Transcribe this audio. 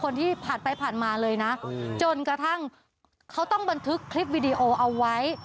ผ่านไปผ่านมาเลยนะจนกระทั่งเขาต้องบันทึกคลิปวิดีโอเอาไว้